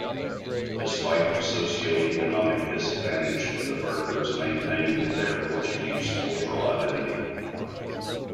Despite the socio-economic disadvantage, the Burghers maintained their Portuguese cultural identity.